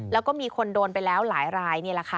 แล้วก็มีคนโดนไปแล้วหลายรายนี่แหละค่ะ